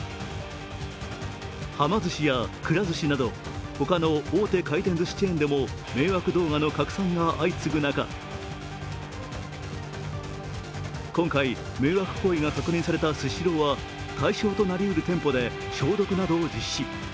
はま寿司やくら寿司など他の大手回転ずしチェーンも迷惑動画の拡散が相次ぐ中、今回、迷惑行為が確認されたスシローは対象となりうる店舗で消毒などを実施。